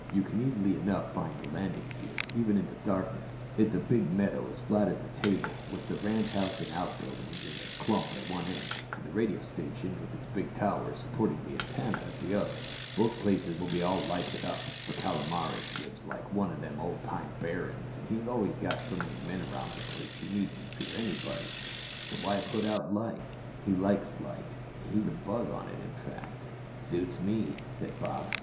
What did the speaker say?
You can easy enough find the landing field, even in the darkness. It's a big meadow as flat as a table, with the ranch house and outbuildings in a clump at one end, an' the radio station with its big tower supporting the antenna at t'other. Both places will be all lighted up, for Calomares lives like one o' them old time barons an' he's always got so many men around the place he needn't fear nobody, so why put out lights? He likes light. He's a bug on it, in fact." "Suits me," said Bob.